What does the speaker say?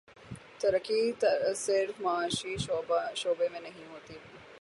ترقی صرف معاشی شعبے میں نہیں ہوتی۔